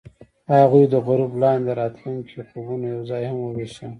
هغوی د غروب لاندې د راتلونکي خوبونه یوځای هم وویشل.